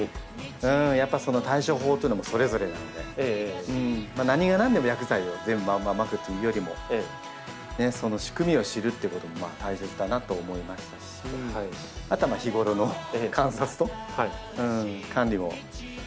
やっぱその対処法というのもそれぞれなので何が何でも薬剤をまくというよりもその仕組みを知るっていうことも大切だなと思いましたしあとは日頃の観察と管理もしっかりしてなきゃいけないなと。